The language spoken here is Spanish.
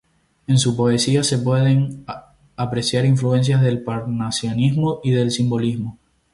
En su poesía, se pueden apreciar influencias del parnasianismo y del simbolismo.